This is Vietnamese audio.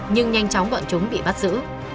nhưng nhanh chóng bọn chúng bị bắt giữ